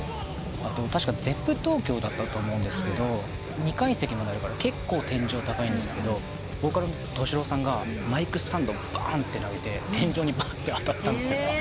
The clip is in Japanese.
確かＺｅｐｐＴｏｋｙｏだったと思うんですけど２階席まであるから結構天井高いんですけどボーカルのＴＯＳＨＩ−ＬＯＷさんがマイクスタンドをばーんって投げて天井に当たったんですよ。